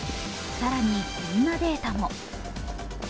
更に、こんなデータも。